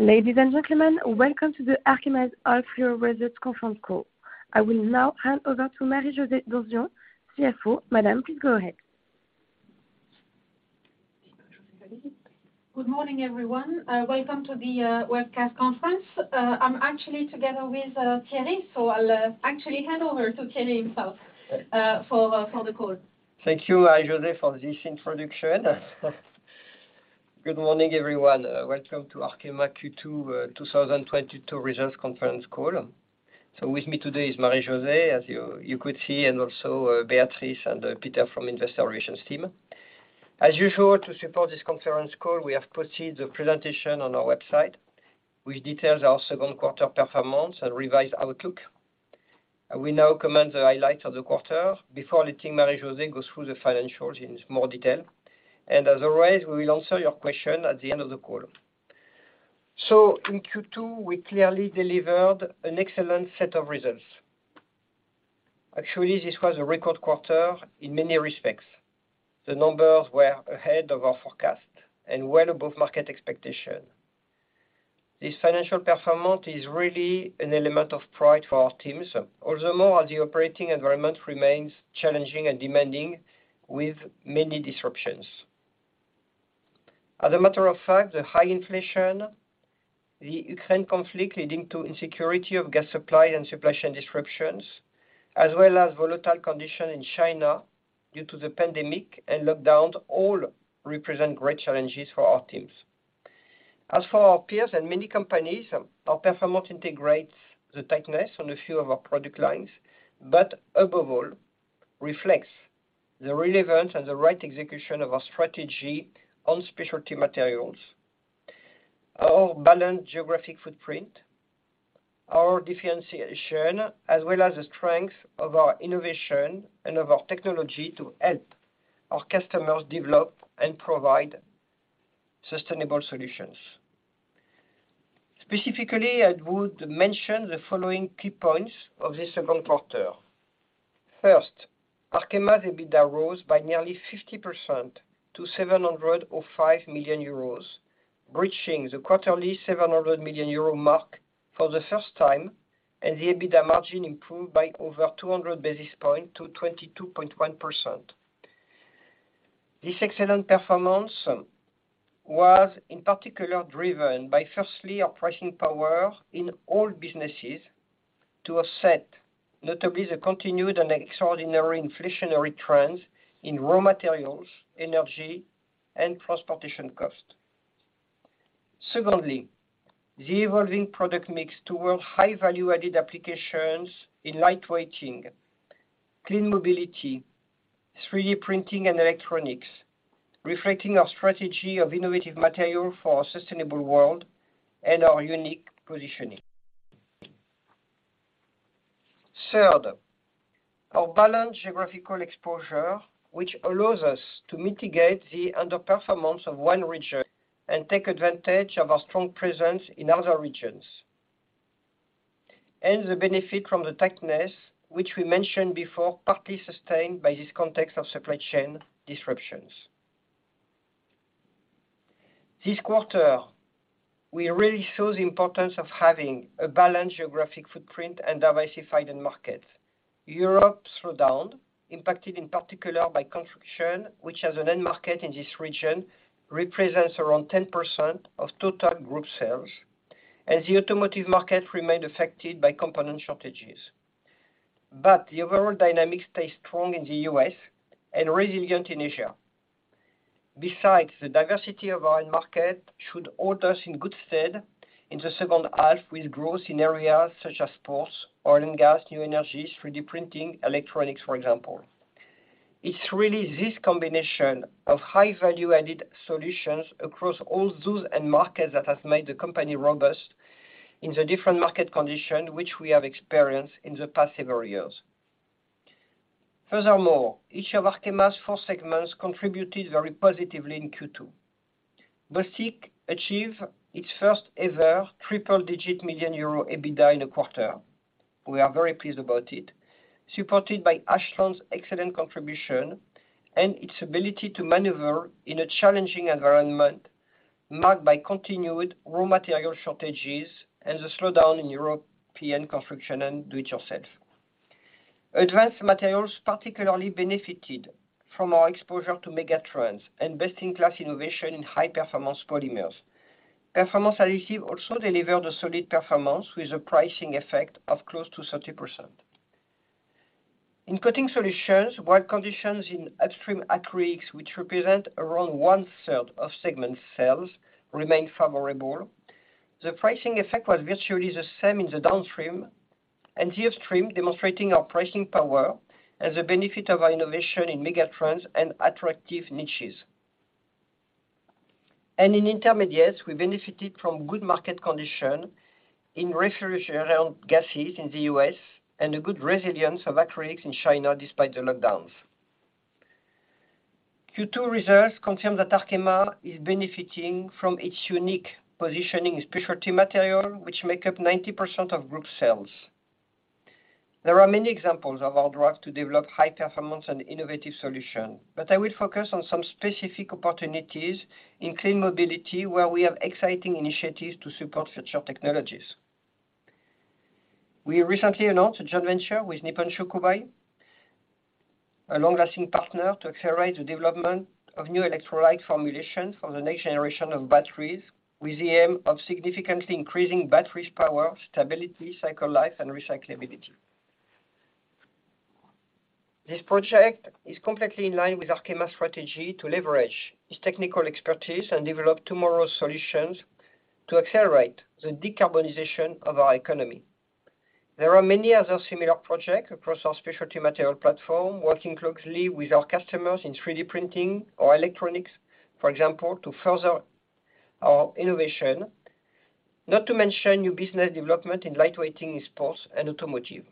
Ladies and gentlemen, welcome to Arkema's half year results conference call. I will now hand over to Marie-José Donsion, CFO. Madame, please go ahead. Good morning, everyone. Welcome to the webcast conference. I'm actually together with Thierry, so I'll actually hand over to Thierry himself, for the call. Thank you, Marie-José, for this introduction. Good morning, everyone. Welcome to Arkema Q2, 2022 results conference call. With me today is Marie-José, as you could see, and also, Beatrice and, Peter from Investor Relations team. As usual, to support this conference call, we have posted the presentation on our website, which details our second quarter performance and revised outlook. I will now comment the highlights of the quarter before letting Marie-José go through the financials in more detail. As always, we will answer your question at the end of the call. In Q2, we clearly delivered an excellent set of results. Actually, this was a record quarter in many respects. The numbers were ahead of our forecast and well above market expectation. This financial performance is really an element of pride for our teams. Furthermore, the operating environment remains challenging and demanding with many disruptions. As a matter of fact, the high inflation, the Ukraine conflict leading to insecurity of gas supply and supply chain disruptions, as well as volatile conditions in China due to the pandemic and lockdown, all represent great challenges for our teams. As for our peers and many companies, our performance integrates the tightness on a few of our product lines, but above all reflects the relevance and the right execution of our strategy on specialty materials, our balanced geographic footprint, our differentiation, as well as the strength of our innovation and of our technology to help our customers develop and provide sustainable solutions. Specifically, I would mention the following key points of this second quarter. First, Arkema's EBITDA rose by nearly 50% to 705 million euros, breaching the quarterly 700 million euro mark for the first time, and the EBITDA margin improved by over 200 basis points to 22.1%. This excellent performance was in particular driven by, firstly, our pricing power in all businesses to offset notably the continued and extraordinary inflationary trends in raw materials, energy, and transportation costs. Secondly, the evolving product mix towards high value-added applications in light-weighting, clean mobility, 3D printing, and electronics, reflecting our strategy of innovative material for a sustainable world and our unique positioning. Third, our balanced geographical exposure, which allows us to mitigate the underperformance of one region and take advantage of our strong presence in other regions, and the benefit from the tightness, which we mentioned before, partly sustained by this context of supply chain disruptions. This quarter, we really saw the importance of having a balanced geographic footprint and diversified end market. Europe slowed down, impacted in particular by construction, which as an end market in this region represents around 10% of total group sales, and the automotive market remained affected by component shortages. The overall dynamics stay strong in the U.S. and resilient in Asia. Besides, the diversity of our end market should hold us in good stead in the second half with growth in areas such as sports, oil and gas, new energies, 3D printing, electronics, for example. It's really this combination of high value-added solutions across all those end markets that have made the company robust in the different market conditions which we have experienced in the past several years. Furthermore, each of Arkema's four segments contributed very positively in Q2. Bostik achieved its first-ever triple-digit million euro EBITDA in a quarter. We are very pleased about it. Supported by Ashland's excellent contribution and its ability to maneuver in a challenging environment marked by continued raw material shortages and the slowdown in European construction and do-it-yourself. Advanced Materials particularly benefited from our exposure to megatrends and best-in-class innovation in high-performance polymers. Performance Additives also delivered a solid performance with a pricing effect of close to 30%. In Coating Solutions, market conditions in upstream acrylics, which represent around one-third of segment sales, remained favorable. The pricing effect was virtually the same in the downstream and the upstream, demonstrating our pricing power and the benefit of our innovation in megatrends and attractive niches. In Intermediates, we benefited from good market conditions in refrigerant gases in the U.S. And a good resilience of acrylics in China despite the lockdowns. Q2 results confirm that Arkema is benefiting from its unique positioning in specialty materials, which make up 90% of group sales. There are many examples of our drive to develop high performance and innovative solutions. I will focus on some specific opportunities in clean mobility, where we have exciting initiatives to support future technologies. We recently announced a joint venture with Nippon Shokubai, a long-lasting partner, to accelerate the development of new electrolyte formulation for the next generation of batteries, with the aim of significantly increasing battery power, stability, cycle life, and recyclability. This project is completely in line with Arkema's strategy to leverage its technical expertise and develop tomorrow's solutions to accelerate the decarbonization of our economy. There are many other similar projects across our specialty materials platform, working closely with our customers in 3D printing or electronics, for example, to further our innovation. Not to mention new business development in lightweighting in sports and automotive.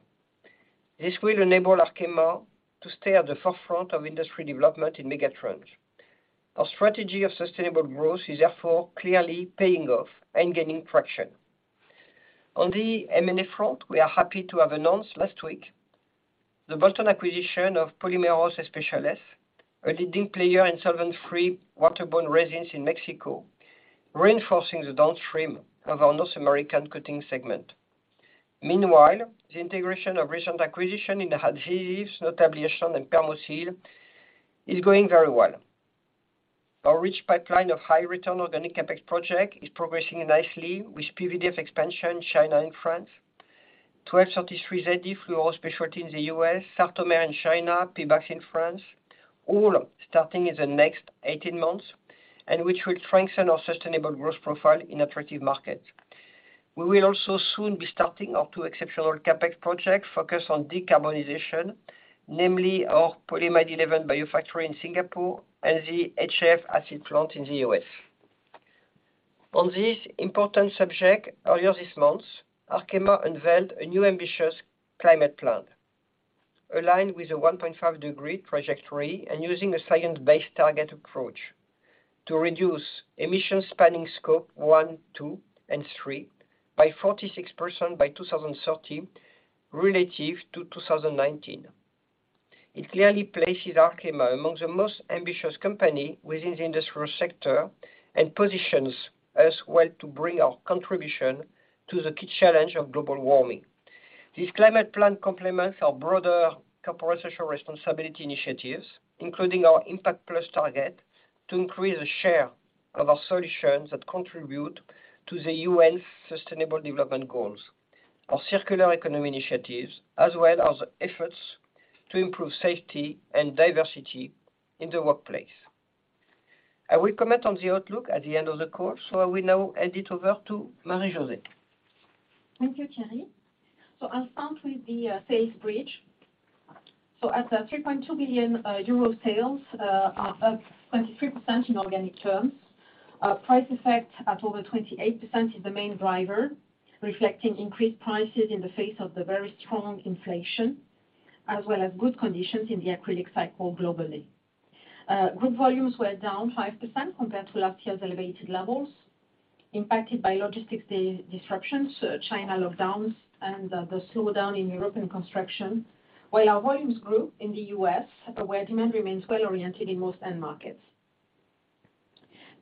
This will enable Arkema to stay at the forefront of industry development in megatrend. Our strategy of sustainable growth is therefore clearly paying off and gaining traction. On the M&A front, we are happy to have announced last week the bolt-on acquisition of Polímeros Especiales, a leading player in solvent-free waterborne resins in Mexico, reinforcing the downstream of our North American coating segment. Meanwhile, the integration of recent acquisition in the adhesives, notably Ashland and Permoseal, is going very well. Our rich pipeline of high return organic CapEx project is progressing nicely with PVDF expansion China and France. 1233zd fluoro specialty in the U.S., Sartomer in China, PBAT in France, all starting in the next 18 months, and which will strengthen our sustainable growth profile in attractive markets. We will also soon be starting our two exceptional CapEx projects focused on decarbonization, namely our polyamide 11 bio factory in Singapore and the hydrofluoric acid plant in the U.S. On this important subject, earlier this month, Arkema unveiled a new ambitious climate plan aligned with a 1.5-degree trajectory and using a Science-Based Target approach to reduce emission spanning Scope 1, 2, and 3 by 46% by 2030 relative to 2019. It clearly places Arkema among the most ambitious company within the industrial sector and positions us well to bring our contribution to the key challenge of global warming. This climate plan complements our broader corporate social responsibility initiatives, including our Impact Plus target to increase the share of our solutions that contribute to the UN Sustainable Development Goals, our circular economy initiatives, as well as efforts to improve safety and diversity in the workplace. I will comment on the outlook at the end of the call. I will now hand it over to Marie-José. Thank you, Thierry. I'll start with the sales bridge. At the 3.2 billion euro sales, up 23% in organic terms. Price effect at over 28% is the main driver, reflecting increased prices in the face of the very strong inflation, as well as good conditions in the acrylic cycle globally. Group volumes were down 5% compared to last year's elevated levels, impacted by logistics disruptions, China lockdowns, and the slowdown in European construction. While our volumes grew in the U.S., where demand remains well-oriented in most end markets.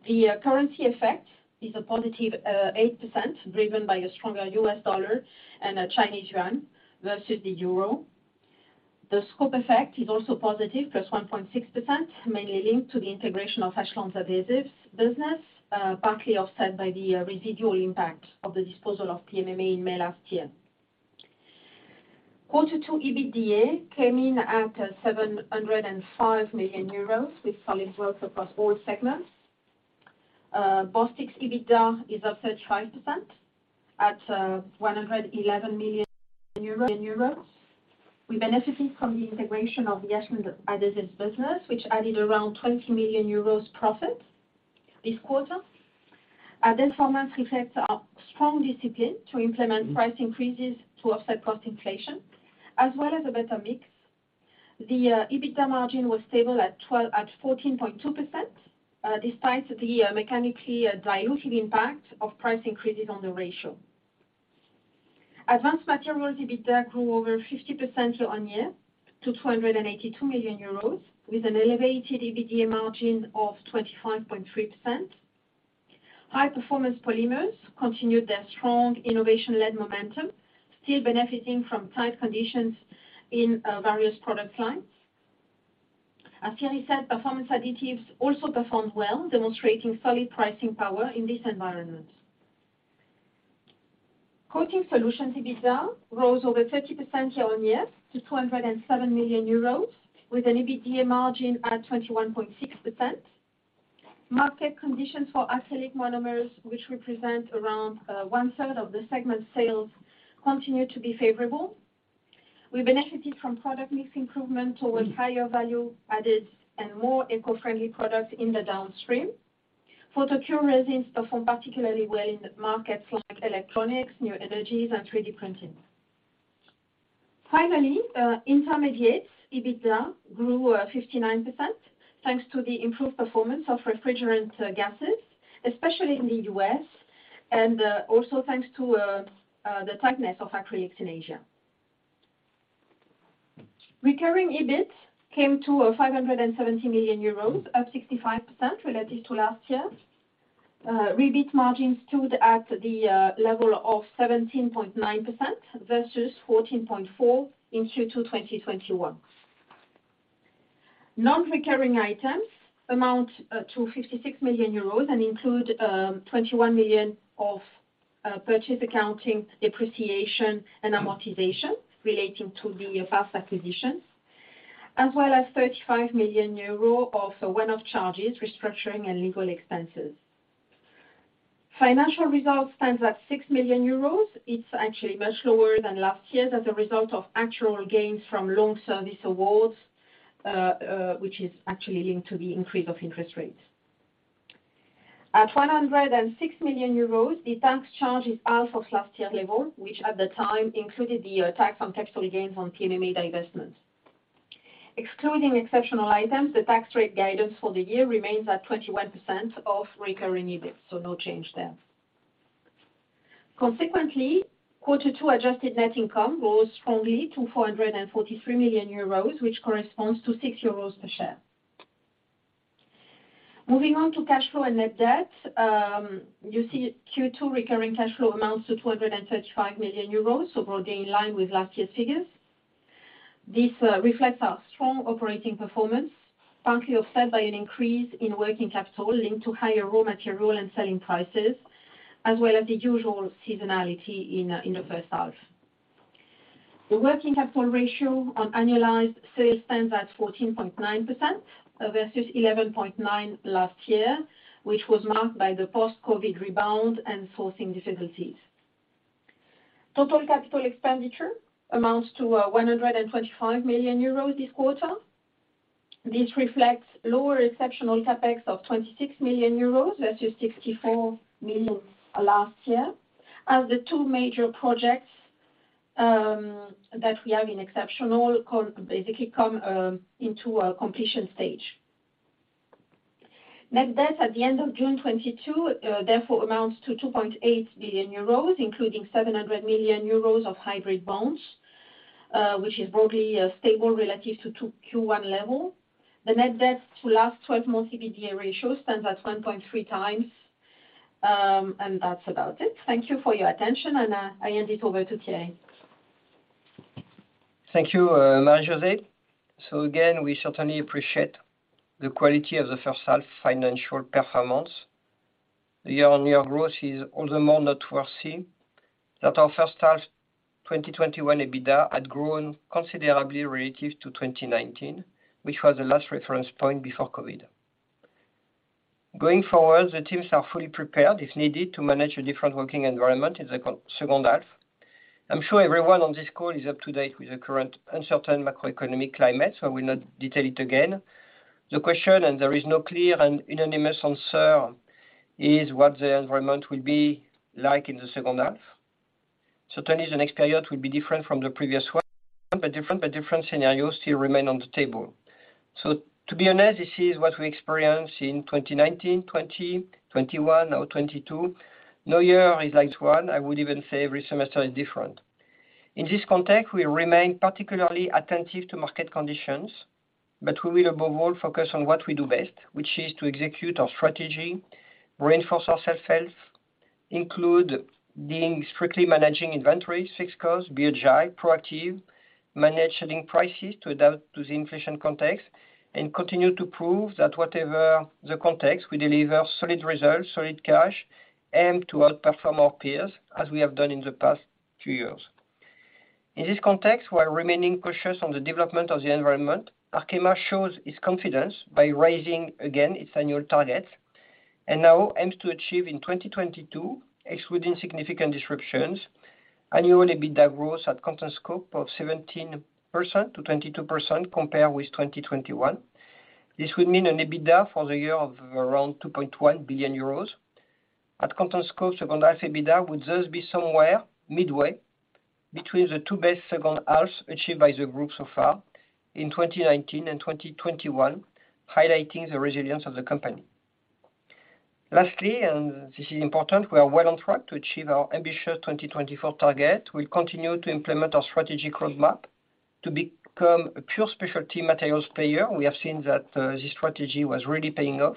The currency effect is a +8%, driven by a stronger US dollar and a Chinese yuan versus the euro. The scope effect is also positive, +1.6%, mainly linked to the integration of Ashland's Performance Adhesives business, partly offset by the residual impact of the disposal of PMMA in May last year. Quarter two EBITDA came in at 705 million euros, with solid growth across all segments. Bostik's EBITDA is up 35% at 111 million euros. We benefited from the integration of the Ashland's Performance Adhesives business, which added around 20 million euros profit this quarter. This performance reflects our strong discipline to implement price increases to offset cost inflation, as well as a better mix. The EBITDA margin was stable at 14.2%, despite the mechanically dilutive impact of price increases on the ratio. Advanced Materials EBITDA grew over 50% year-on-year to 282 million euros, with an elevated EBITDA margin of 25.3%. High Performance Polymers continued their strong innovation-led momentum, still benefiting from tight conditions in various product lines. As Thierry said, Performance Additives also performed well, demonstrating solid pricing power in this environment. Coating Solutions EBITDA rose over 30% year-on-year to 207 million euros, with an EBITDA margin at 21.6%. Market conditions for acrylic monomers, which represent around one-third of the segment sales, continue to be favorable. We benefited from product mix improvement towards higher value added and more eco-friendly products in the downstream. Photocure resins performed particularly well in markets like electronics, new energies, and 3D printing. Finally, Intermediates EBITDA grew 59%, thanks to the improved performance of refrigerant gases, especially in the U.S. Also thanks to the tightness of acrylics in Asia. Recurring EBIT came to 570 million euros, up 65% relative to last year. REBIT margins stood at the level of 17.9% versus 14.4% in Q2 2021. Non-recurring items amount to 56 million euros and include 21 million of purchase accounting depreciation and amortization relating to the FAFSA positions, as well as 35 million euro of one-off charges, restructuring and legal expenses. Financial results stands at 6 million euros. It's actually much lower than last year as a result of actuarial gains from long service awards, which is actually linked to the increase of interest rates. At 106 million euros, the tax charge is out of last year's level, which at the time included the tax on taxable gains on PMMA divestment. Excluding exceptional items, the tax rate guidance for the year remains at 21% of recurring EBIT, so no change there. Consequently, quarter two adjusted net income rose strongly to 443 million euros, which corresponds to 6 euros per share. Moving on to cash flow and net debt, you see Q2 recurring cash flow amounts to 235 million euros, so broadly in line with last year's figures. This reflects our strong operating performance, partly offset by an increase in working capital linked to higher raw material and selling prices, as well as the usual seasonality in the first half. The working capital ratio on annualized sales stands at 14.9% versus 11.9% last year, which was marked by the post-COVID rebound and sourcing difficulties. Total capital expenditure amounts to 125 million euros this quarter. This reflects lower exceptional CapEx of 26 million euros versus 64 million last year. As the two major projects that we have in exceptional CapEx basically come into a completion stage. Net debt at the end of June 2022 therefore amounts to 2.8 billion euros, including 700 million euros of hybrid bonds, which is broadly stable relative to Q1 level. The net debt to last twelve-month EBITDA ratio stands at 1.3x. That's about it. Thank you for your attention, and I hand it over to Thierry. Thank you, Marie-José. Again, we certainly appreciate the quality of the first half financial performance. The year-on-year growth is all the more noteworthy that our first half 2021 EBITDA had grown considerably relative to 2019, which was the last reference point before COVID. Going forward, the teams are fully prepared, if needed, to manage a different working environment in the second half. I'm sure everyone on this call is up to date with the current uncertain macroeconomic climate, so I will not detail it again. The question, and there is no clear and unanimous answer, is what the environment will be like in the second half. Certainly, the next period will be different from the previous one, but different scenarios still remain on the table. To be honest, this is what we experienced in 2019, 2020, 2021, now 2022. No year is like one. I would even say every semester is different. In this context, we remain particularly attentive to market conditions, but we will above all focus on what we do best, which is to execute our strategy, reinforce our sales health, including being strictly managing inventory, fixed costs, be agile, proactive, manage selling prices to adapt to the inflation context, and continue to prove that whatever the context, we deliver solid results, solid cash, and to outperform our peers, as we have done in the past few years. In this context, while remaining cautious on the development of the environment, Arkema shows its confidence by raising again its annual targets and now aims to achieve in 2022, excluding significant disruptions, annual EBITDA growth at constant scope of 17%-22% compared with 2021. This would mean an EBITDA for the year of around 2.1 billion euros. At constant scope, second half EBITDA would just be somewhere midway between the two best second halves achieved by the group so far in 2019 and 2021, highlighting the resilience of the company. Lastly, and this is important, we are well on track to achieve our ambitious 2024 target. We'll continue to implement our strategic roadmap to become a pure specialty materials player. We have seen that, this strategy was really paying off.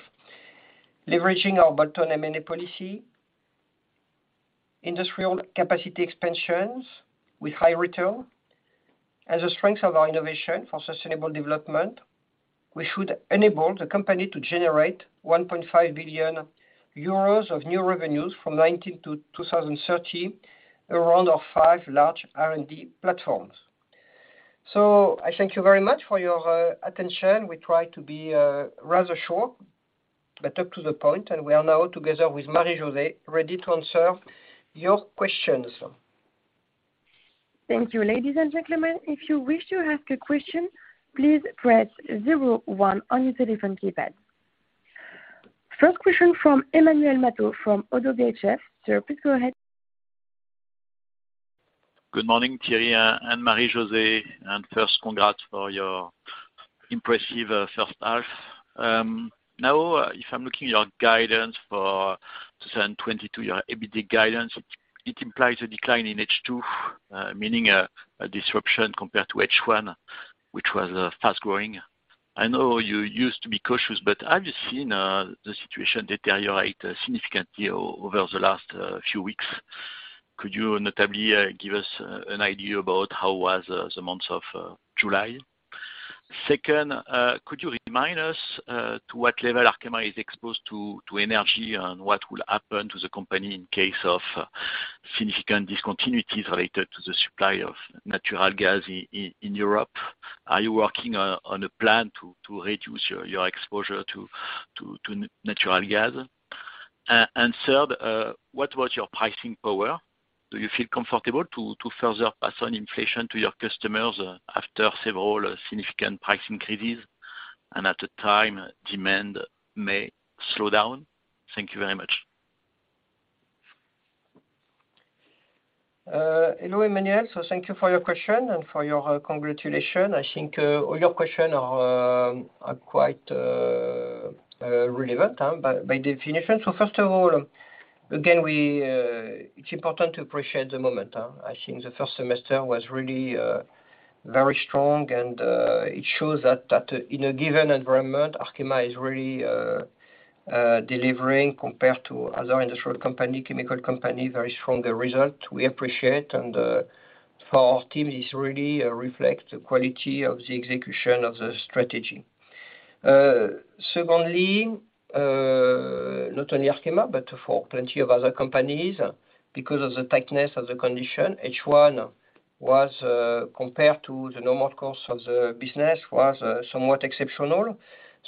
Leveraging our bolt-on M&A policy, industrial capacity expansions with high return, and the strength of our innovation for sustainable development, we should enable the company to generate 1.5 billion euros of new revenues from 2019 to 2030 around our five large R&D platforms. I thank you very much for your attention. We try to be rather short but to the point, and we are now together with Marie-José ready to answer your questions. Thank you. Ladies and gentlemen, if you wish to ask a question, please press zero-one on your telephone keypad. First question from Emmanuel Matot from ODDO BHF. Sir, please go ahead. Good morning, Thierry and Marie-José, and first congrats for your impressive first half. Now, if I'm looking at your guidance for 2022, your EBITDA guidance, it implies a decline in H2, meaning a disruption compared to H1, which was fast-growing. I know you used to be cautious, but I've seen the situation deteriorate significantly over the last few weeks. Could you notably give us an idea about how was the month of July? Second, could you remind us to what level Arkema is exposed to energy and what will happen to the company in case of significant discontinuities related to the supply of natural gas in Europe? Are you working on a plan to reduce your exposure to natural gas? Third, what was your pricing power? Do you feel comfortable to further pass on inflation to your customers after several significant price increases and at a time demand may slow down? Thank you very much. Hello, Emmanuel. Thank you for your question and for your congratulations. I think all your questions are quite relevant by definition. First of all, again, it is important to appreciate the momentum. I think the first semester was really very strong and it shows that in a given environment, Arkema is really delivering compared to other industrial company, chemical company, very strong results. We appreciate, and for our team, this really reflect the quality of the execution of the strategy. Secondly, not only Arkema, but for plenty of other companies, because of the tightness of the conditions, H1 was, compared to the normal course of the business, somewhat exceptional.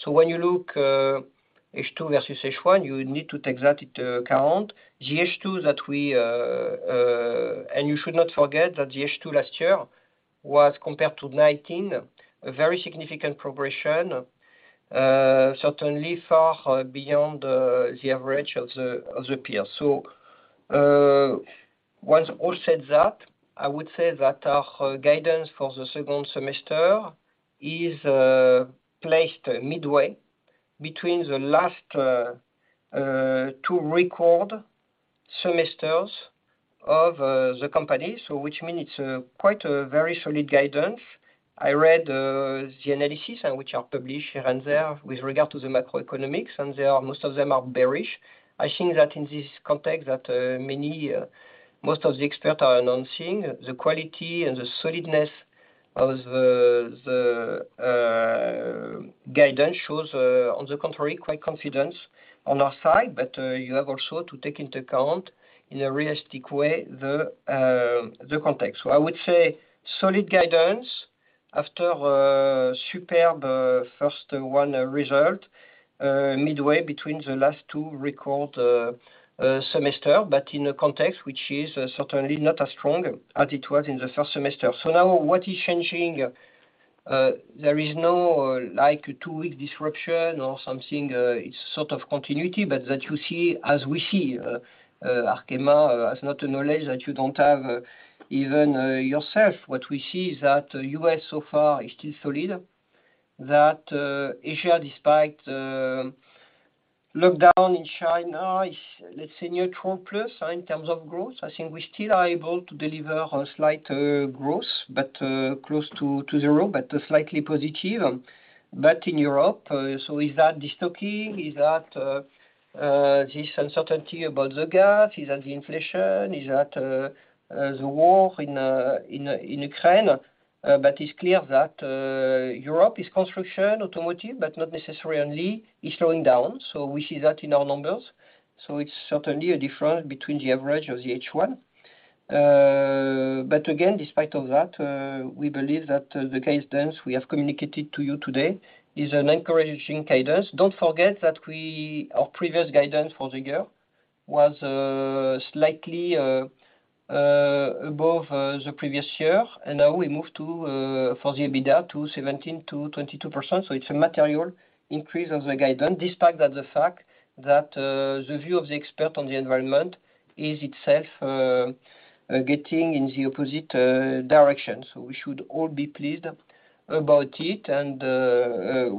When you look H2 versus H1, you need to take that into account. You should not forget that the H2 last year was, compared to 2019, a very significant progression, certainly far beyond the average of the peer. Once all said that, I would say that our guidance for the second semester is placed midway between the last two record semesters of the company, which means it's quite a very solid guidance. I read the analyses which are published here and there with regard to the macroeconomics, and they are, most of them are bearish. I think that in this context, most of the experts are not seeing the quality and the solidness of the guidance shows, on the contrary, quite confidence on our side. You have also to take into account in a realistic way the context. I would say solid guidance after a superb first half result, midway between the last two record semesters, but in a context which is certainly not as strong as it was in the first semester. Now what is changing, there is no like two-week disruption or something. It's sort of continuity, but that you see, as we see, Arkema has no knowledge that you don't have even yourself. What we see is that U.S. so far is still solid, that Asia, despite lockdown in China is, let's say, neutral plus in terms of growth. I think we still are able to deliver a slight growth, but close to zero, but slightly positive. In Europe, so is that de-stocking? Is that this uncertainty about the gas? Is that the inflation? Is that the war in Ukraine? It's clear that Europe, construction, automotive, but not necessarily only, is slowing down. We see that in our numbers. It's certainly a difference between the average of the H1. Again, despite all that, we believe that the guidance we have communicated to you today is an encouraging guidance. Don't forget that our previous guidance for the year was slightly above the previous year, and now we move to for the EBITDA to 17%-22%. It's a material increase of the guidance, despite that the fact that the view of the expert on the environment is itself getting in the opposite direction. We should all be pleased about it and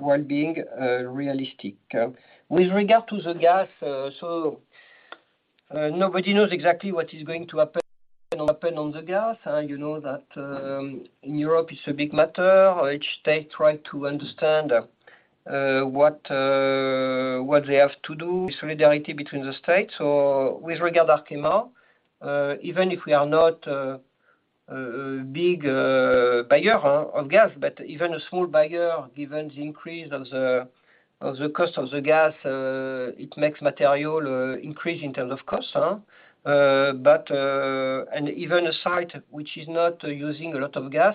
while being realistic. With regard to the gas, nobody knows exactly what is going to happen on the gas. You know that in Europe it's a big matter. Each state try to understand what they have to do, solidarity between the states. With regard to Arkema, even if we are not a big buyer on gas, but even a small buyer, given the increase of the cost of the gas, it makes material increase in terms of cost. Even a site which is not using a lot of gas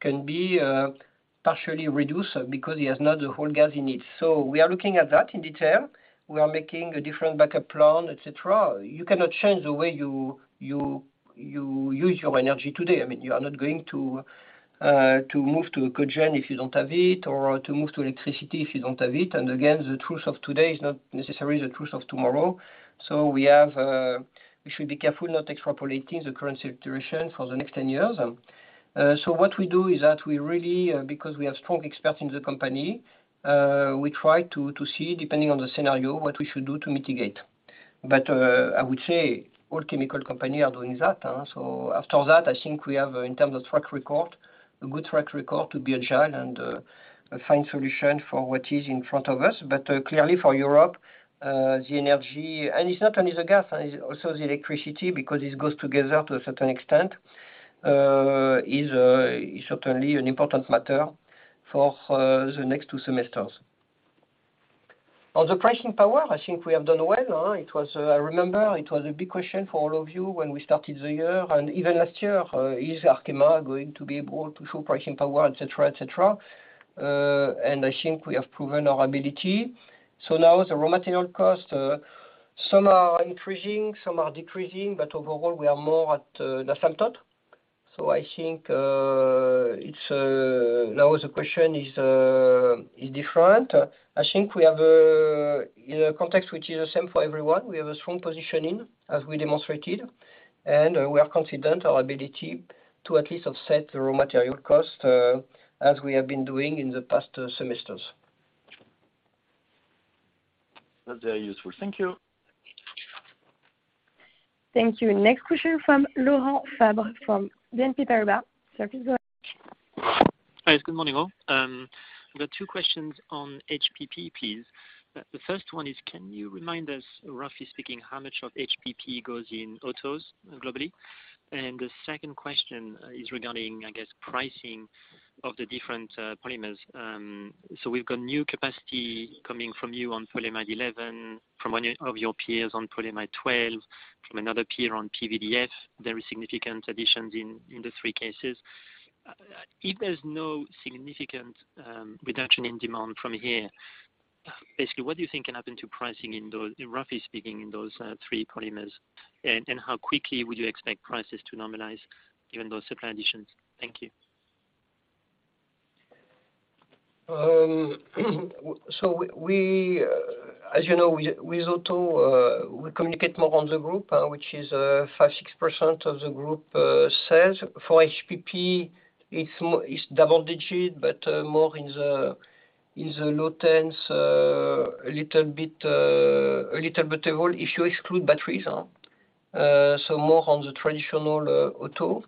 can be partially reduced because it has not the whole gas it needs. We are looking at that in detail. We are making a different backup plan, et cetera. You cannot change the way you use your energy today. I mean, you are not going to move to a cogen if you don't have it or to move to electricity if you don't have it. Again, the truth of today is not necessarily the truth of tomorrow. We should be careful not to extrapolate the current situation for the next 10 years. What we do is that we really, because we have strong experts in the company, we try to see, depending on the scenario, what we should do to mitigate. I would say all chemical companies are doing that. After that, I think we have, in terms of track record, a good track record to be agile and find solution for what is in front of us. Clearly for Europe, the energy, and it's not only the gas, it's also the electricity, because it goes together to a certain extent, is certainly an important matter for the next two semesters. On the pricing power, I think we have done well. It was, I remember it was a big question for all of you when we started the year and even last year. Is Arkema going to be able to show pricing power, et cetera, et cetera? I think we have proven our ability. Now the raw material cost, some are increasing, some are decreasing, but overall we are more at the same total. I think now the question is different. I think we have a context which is the same for everyone. We have a strong positioning, as we demonstrated, and we are confident our ability to at least offset the raw material cost, as we have been doing in the past semesters. That's very useful. Thank you. Thank you. Next question from Laurent Favre, from BNP Paribas. Sir, please go ahead. Hi. Good morning, all. I've got two questions on HPP, please. The first one is, can you remind us, roughly speaking, how much of HPP goes in autos globally? The second question is regarding, I guess, pricing of the different polymers. We've got new capacity coming from you on polyamide 11, from one of your peers on polyamide 12, from another peer on PVDF. Very significant additions in the three cases. If there's no significant reduction in demand from here, basically, what do you think can happen to pricing in those, roughly speaking, three polymers? And how quickly would you expect prices to normalize given those supply additions? Thank you. As you know, with auto, we communicate more on the group, which is 5%-6% of the group sales. For HPP, it's double digits, but more in the low tens. A little bit of all. If you exclude batteries, more on the traditional auto,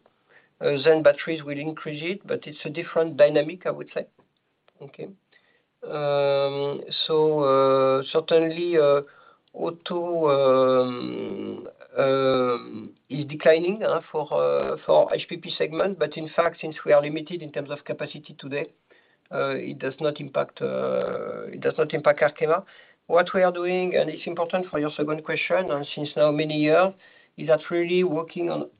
then batteries will increase it. It's a different dynamic, I would say. Okay. Certainly, auto is declining for HPP segment. In fact, since we are limited in terms of capacity today, it does not impact Arkema. What we are doing, and it's important for your second question, and for many years now, is that really working on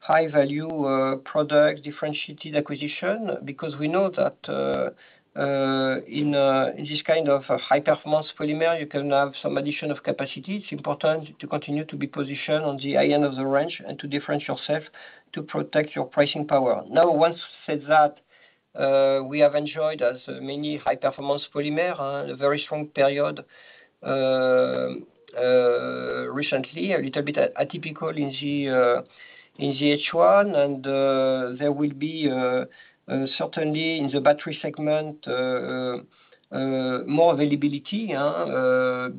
high-value product differentiated acquisition. Because we know that in this kind of High Performance Polymers, you can have some addition of capacity. It's important to continue to be positioned on the high end of the range and to differentiate yourself to protect your pricing power. Now, that said, we have enjoyed as many High Performance Polymers, a very strong period, recently, a little bit atypical in the H1. There will be certainly in the battery segment more availability,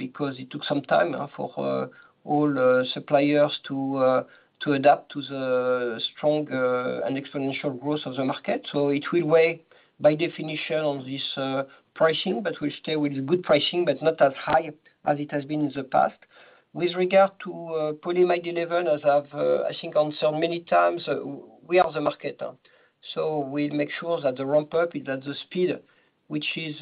because it took some time for all suppliers to adapt to the strong and exponential growth of the market. It will weigh by definition on this pricing. We stay with good pricing, but not as high as it has been in the past. With regard to polyamide 11, as I've, I think, answered many times, we are the marketer. We make sure that the ramp-up is at the speed which is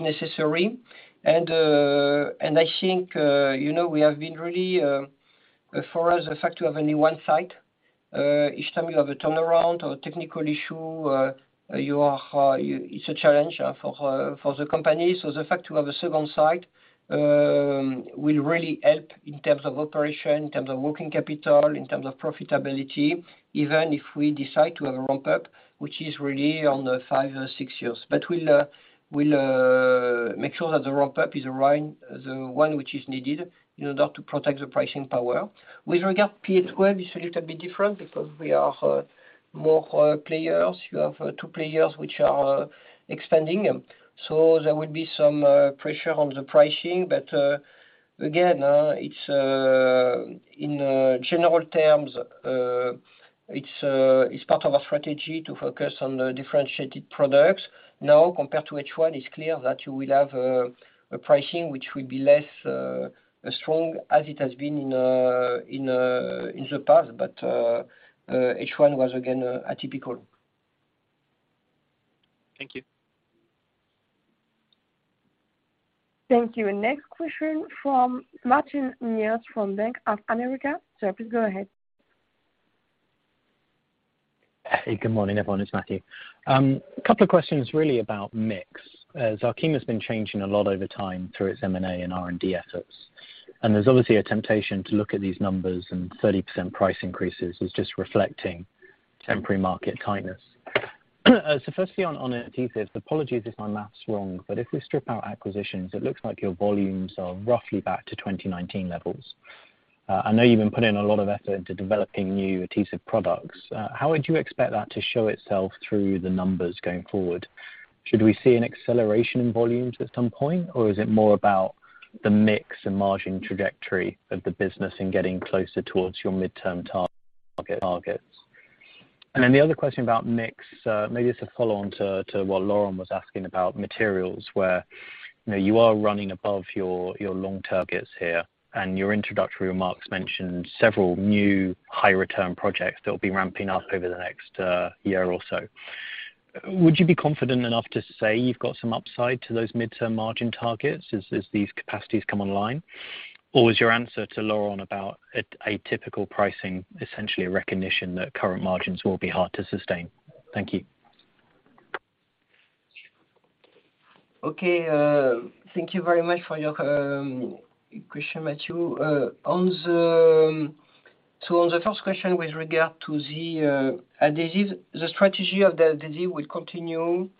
necessary. I think, you know, we have been really for us, the fact you have only one site, each time you have a turnaround or a technical issue, it's a challenge for the company. The fact you have a second site will really help in terms of operation, in terms of working capital, in terms of profitability, even if we decide to have a ramp-up, which is really on five or six years. We'll make sure that the ramp-up is around the one which is needed in order to protect the pricing power. With regard to PA 12, it's a little bit different because we have more players. You have two players which are expanding. There will be some pressure on the pricing. But again, it's in general terms, it's part of our strategy to focus on the differentiated products. Now, compared to H1, it's clear that you will have a pricing which will be less strong as it has been in the past. H1 was again atypical. Thank you. Thank you. Next question from Matthew Yates from Bank of America. Sir, please go ahead. Hey, good morning, everyone. It's Matthew. Couple of questions really about mix. Arkema's been changing a lot over time through its M&A and R&D efforts. There's obviously a temptation to look at these numbers and 30% price increases is just reflecting temporary market kindness. Firstly on adhesives, apologies if my math's wrong, but if we strip out acquisitions, it looks like your volumes are roughly back to 2019 levels. I know you've been putting a lot of effort into developing new adhesive products. How would you expect that to show itself through the numbers going forward? Should we see an acceleration in volumes at some point, or is it more about the mix and margin trajectory of the business and getting closer towards your midterm targets? The other question about mix, maybe it's a follow-on to what Laurent was asking about materials where, you know, you are running above your long targets here, and your introductory remarks mentioned several new high return projects that will be ramping up over the next year or so. Would you be confident enough to say you've got some upside to those midterm margin targets as these capacities come online? Or was your answer to Laurent about a typical pricing, essentially a recognition that current margins will be hard to sustain? Thank you. Thank you very much for your question, Matthew. On the first question with regard to the adhesive, the strategy of the adhesive will continue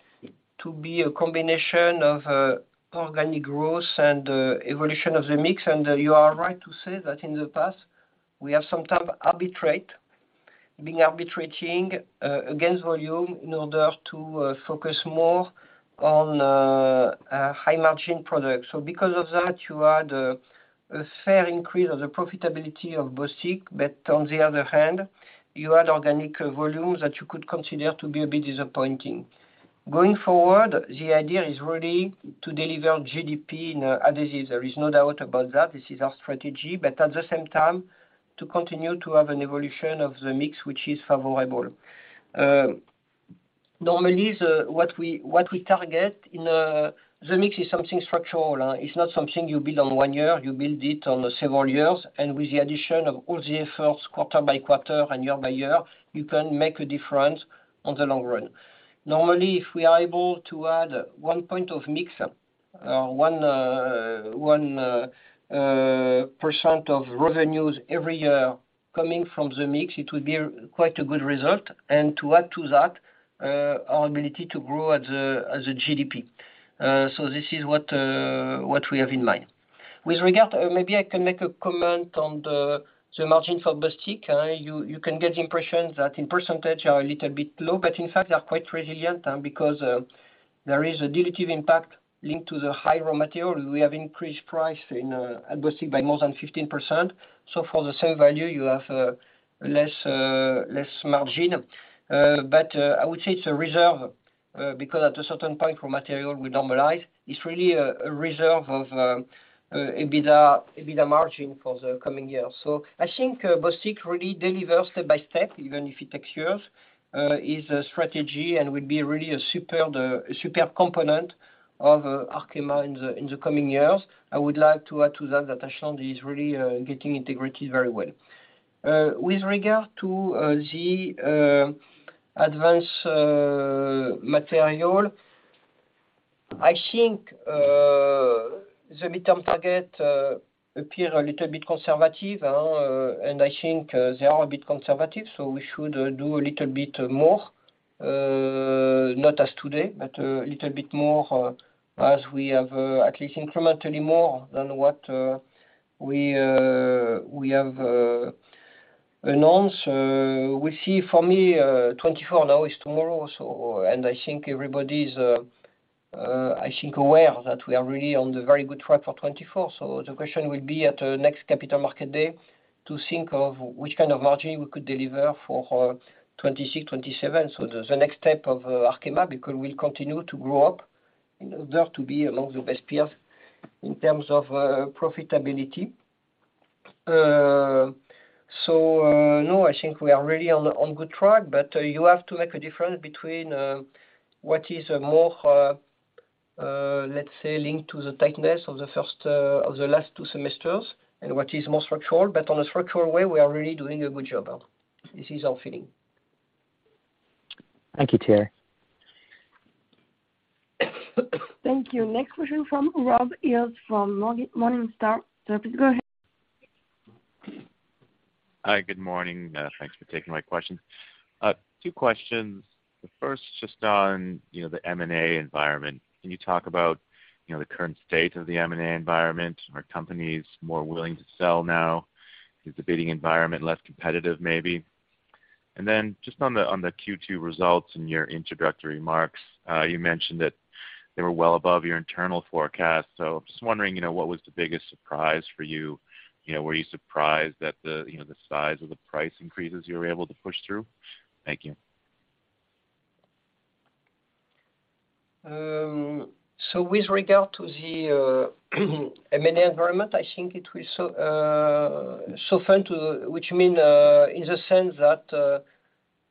to be a combination of organic growth and evolution of the mix. You are right to say that in the past we have sometimes arbitrated against volume in order to focus more on a high margin product. Because of that, you had a fair increase of the profitability of Bostik. On the other hand, you had organic volumes that you could consider to be a bit disappointing. Going forward, the idea is really to deliver GDP in adhesive. There is no doubt about that. This is our strategy, but at the same time to continue to have an evolution of the mix which is favorable. Normally what we target in the mix is something structural. It's not something you build on one year, you build it on several years, and with the addition of all the efforts quarter by quarter and year by year, you can make a difference in the long run. Normally, if we are able to add one point of mix, 1% of revenues every year coming from the mix, it will be quite a good result. To add to that, our ability to grow at the GDP. This is what we have in mind. With regard, maybe I can make a comment on the margin for Bostik. You can get the impression that the percentages are a little bit low, but in fact they are quite resilient, because there is a dilutive impact linked to the high raw material. We have increased prices in Bostik by more than 15%. For the same value, you have less margin. I would say it's a reserve, because at a certain point, raw material will normalize. It's really a reserve of EBITDA margin for the coming years. I think Bostik really delivers step by step, even if it takes years, is a strategy and will be really a superb component of Arkema in the coming years. I would like to add to that Ashland is really getting integrated very well. With regard to the Advanced Materials, I think the midterm targets appear a little bit conservative, and I think they are a bit conservative. We should do a little bit more. Not as of today, but a little bit more as we have at least incrementally more than what we have announced. We see, for me, 2024 now is tomorrow. I think everybody is aware that we are really on the very good track for 2024. The question will be at the next Capital Markets Day to think of which kind of margin we could deliver for 2026, 2027. The next step of Arkema, because we'll continue to grow up in order to be among the best peers in terms of profitability. I think we are really on a good track. You have to make a difference between what is more, let's say, linked to the tightness of the first of the last two semesters and what is more structural. On a structural way, we are really doing a good job. This is our feeling. Thank you, Thierry. Thank you. Next question from Rob Hales from Morningstar. Sir, please go ahead. Hi, good morning. Thanks for taking my questions. Two questions. The first just on, you know, the M&A environment. Can you talk about, you know, the current state of the M&A environment? Are companies more willing to sell now? Is the bidding environment less competitive, maybe? Just on the Q2 results in your introductory remarks, you mentioned that they were well above your internal forecast. I'm just wondering, you know, what was the biggest surprise for you? You know, were you surprised that the, you know, the size of the price increases you were able to push through? Thank you. With regard to the M&A environment, I think it will soften, which means in the sense that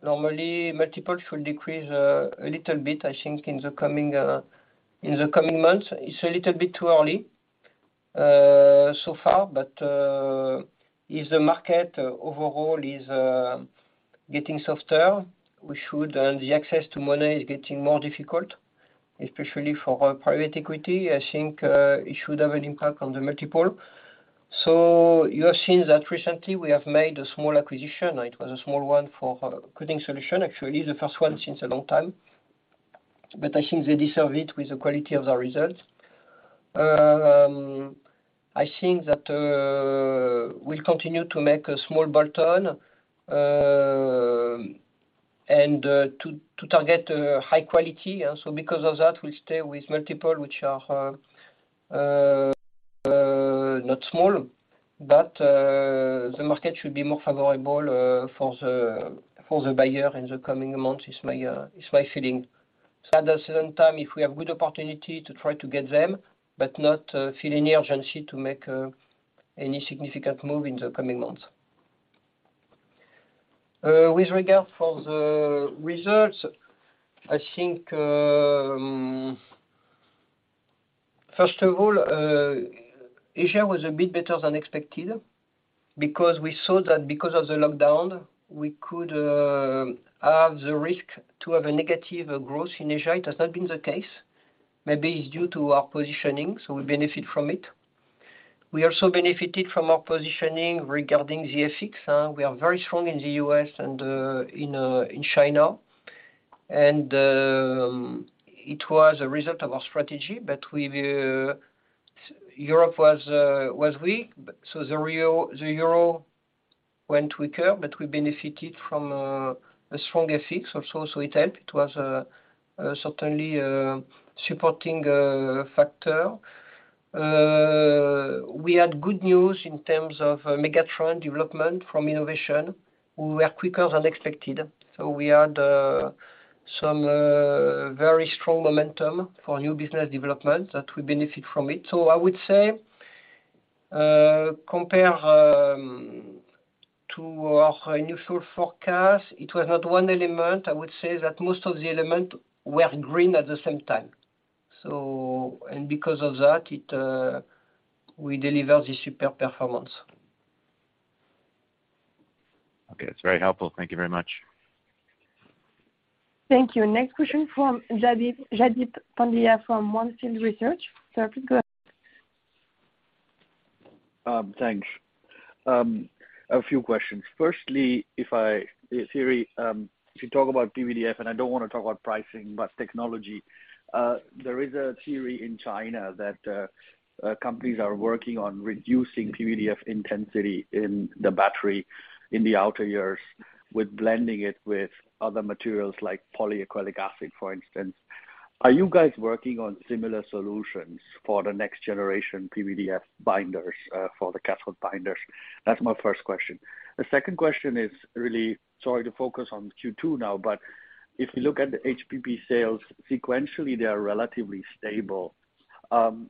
normally multiples should decrease a little bit, I think, in the coming months. It's a little bit too early so far. If the market overall is getting softer, we should see the access to money is getting more difficult, especially for private equity. I think it should have an impact on the multiples. You have seen that recently we have made a small acquisition. It was a small one for Coating Solutions, actually, the first one since a long time. I think they deserve it with the quality of the results. I think that we'll continue to make a small bolt-on and to target high quality. Because of that, we stay with multiples, which are not small, but the market should be more favorable for the buyer in the coming months. It's my feeling. At the same time, if we have good opportunity to try to get them, but not feel any urgency to make any significant move in the coming months. With regard to the results, I think, first of all, Asia was a bit better than expected because we saw that because of the lockdown, we could have the risk to have a negative growth in Asia. It has not been the case. Maybe it's due to our positioning, so we benefit from it. We also benefited from our positioning regarding the FX. We are very strong in the U.S. and in China. It was a result of our strategy. Europe was weak. The euro went weaker, but we benefited from a strong FX also, so it helped. It was certainly supporting factor. We had good news in terms of megatrends development from innovation. We are quicker than expected. We had some very strong momentum for new business development that we benefit from it. I would say compare to our initial forecast, it was not one element. I would say that most of the element were green at the same time. Because of that, we deliver the super performance. Okay, that's very helpful. Thank you very much. Thank you. Next question from Jaideep Pandya from On Field Investment Research. Sir, please go ahead. Thanks. A few questions. Firstly, in theory, if you talk about PVDF, and I don't wanna talk about pricing, but technology, there is a theory in China that companies are working on reducing PVDF intensity in the battery in the outer years with blending it with other materials like polyacrylic acid, for instance. Are you guys working on similar solutions for the next generation PVDF binders, for the cathode binders? That's my first question. The second question is really starting to focus on Q2 now, but if you look at the HPP sales sequentially, they are relatively stable. I'm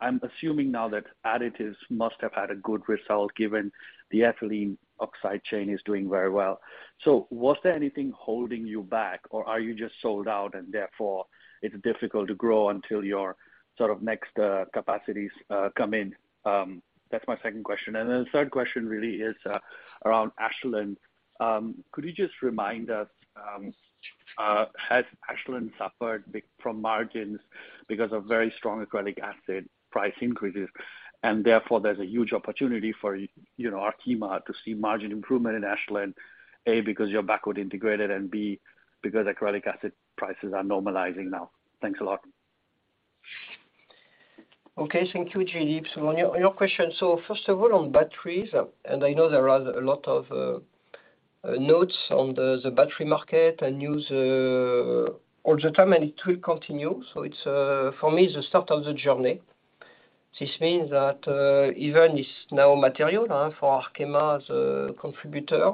assuming now that additives must have had a good result given the ethylene oxide chain is doing very well. Was there anything holding you back, or are you just sold out and therefore it's difficult to grow until your sort of next capacities come in? That's my second question. The third question really is around Ashland. Could you just remind us, has Ashland suffered from margins because of very strong acrylic acid price increases, and therefore there's a huge opportunity for, you know, Arkema to see margin improvement in Ashland, A, because you're backward integrated, and B, because acrylic acid prices are normalizing now? Thanks a lot. Okay, thank you, Jaideep. On your question. First of all, on batteries, and I know there are a lot of notes on the battery market and news all the time, and it will continue. It's for me, the start of the journey. This means that, even if now material for Arkema as a contributor,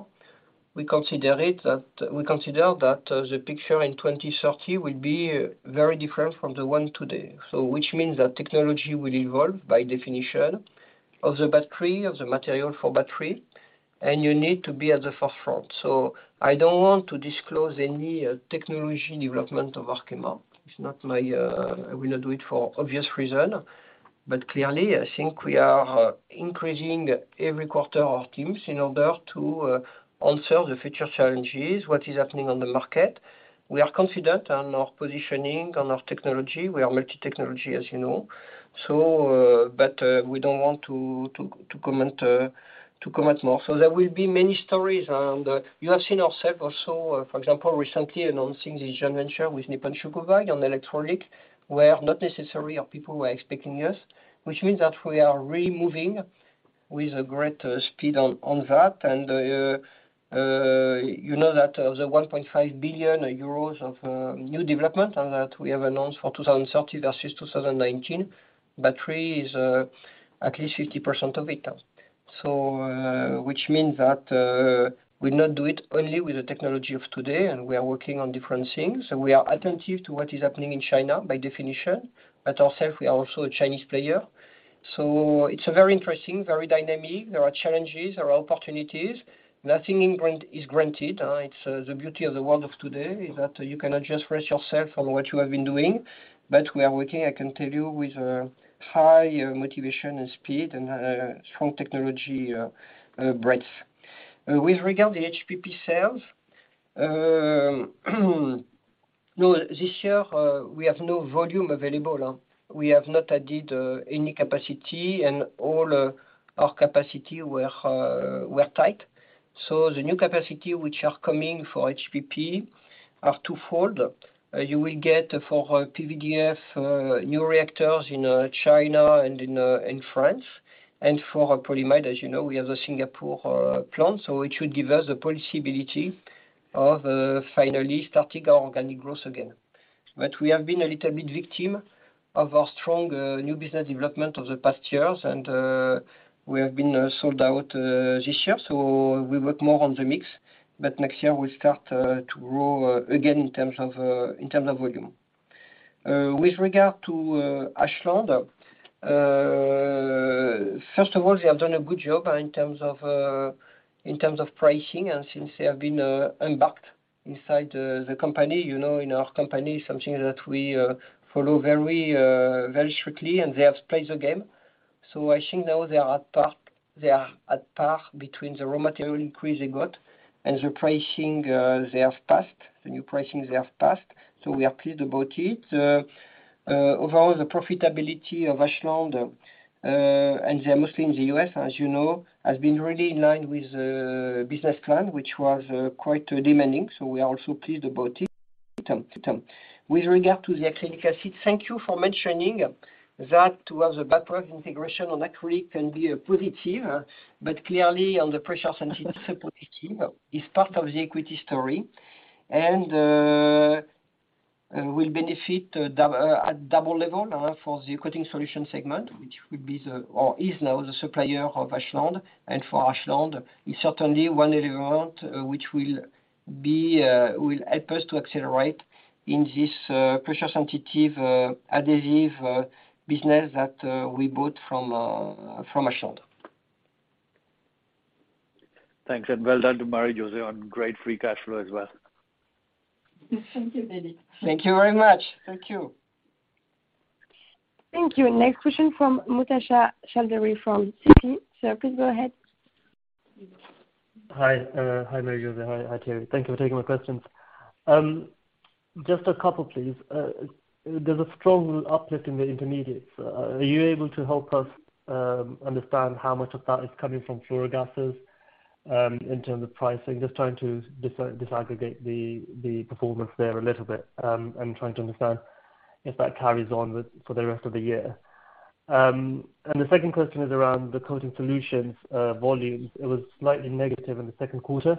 we consider that the picture in 2030 will be very different from the one today. Which means that technology will evolve by definition of the battery, of the material for battery, and you need to be at the forefront. I don't want to disclose any technology development of Arkema. It's not my, I will not do it for obvious reason. Clearly, I think we are increasing every quarter our teams in order to answer the future challenges, what is happening on the market. We are confident on our positioning, on our technology. We are multi-technology, as you know. We don't want to comment more. There will be many stories. You have seen ourselves also, for example, recently announcing this joint venture with Nippon Shokubai on electrolyte, where not necessarily people were expecting us, which means that we are really moving with a great speed on that. You know that the 1.5 billion euros of new development and that we have announced for 2030 versus 2019, battery is at least 50% of it now. Which means that we not do it only with the technology of today, and we are working on different things, and we are attentive to what is happening in China by definition, but ourself, we are also a Chinese player. It's a very interesting, very dynamic. There are challenges. There are opportunities. Nothing is granted, it's the beauty of the world of today is that you cannot just rest yourself on what you have been doing. We are working, I can tell you, with high motivation and speed and strong technology breadth. With regard to HPP sales, no, this year, we have no volume available. We have not added any capacity, and all our capacity were tight. The new capacity which are coming for HPP are twofold. You will get for PVDF new reactors in China and in France. For polyamide, as you know, we have the Singapore plant, so it should give us the possibility of finally starting our organic growth again. We have been a little bit victim of our strong new business development over the past years and we have been sold out this year, so we work more on the mix. Next year we start to grow again in terms of volume. With regard to Ashland, first of all, they have done a good job in terms of pricing. Since they have been embarked inside the company, you know, in our company, something that we follow very strictly, and they have played the game. I think now they are at par between the raw material increase they got and the pricing they have passed, the new pricing they have passed. We are pleased about it. Overall, the profitability of Ashland, and they are mostly in the U.S., as you know, has been really in line with the business plan, which was quite demanding, so we are also pleased about it. With regard to the acrylic acid, thank you for mentioning that was a backward integration on acrylic can be a positive. Clearly on the pressure-sensitive adhesives is part of the equity story and will benefit at double level for the Coating Solutions segment, which is now the supplier of Ashland. For Ashland, it's certainly one element which will help us to accelerate in this pressure-sensitive adhesive business that we bought from Ashland. Thanks, well done to Marie-José on great free cash flow as well. Thank you, Jaideep. Thank you very much. Thank you. Thank you. Next question from Mubasher Chaudhry from Citi. Sir, please go ahead. Hi. Hi, Marie-José. Hi, Thierry. Thank you for taking my questions. Just a couple, please. There's a strong uplift in the Intermediates. Are you able to help us understand how much of that is coming from fluorogases in terms of pricing? Just trying to disaggregate the performance there a little bit, and trying to understand if that carries on for the rest of the year. The second question is around the Coating Solutions volumes. It was slightly negative in the second quarter.